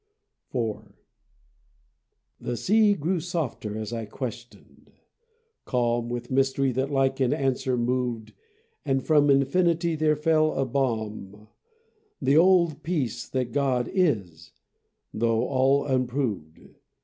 IV The sea grew softer as I questioned calm With mystery that like an answer moved, And from infinity there fell a balm, The old peace that God is, tho all unproved.